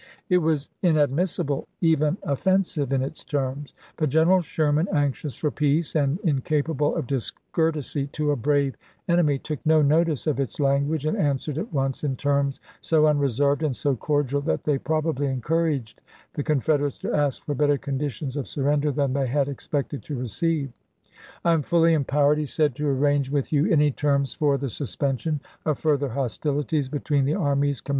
It was inadmissible, even offen sive in its terms ; but General Sherman, anxious for peace and incapable of discourtesy to a brave en emy, took no notice of its language, and answered at once in terms so unreserved and so cordial that they probably encouraged the Confederates to ask for better conditions of surrender than they had ex pected to receive. " I am fully empowered,'' he said, "to arrange with you any terms for the suspen sion of further hostilities between the armies com ♦'MeSSire.'"